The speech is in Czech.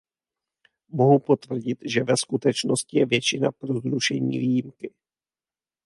Mohu potvrdit, že ve skutečnosti je většina pro zrušení výjimky.